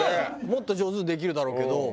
もっと上手にできるだろうけど。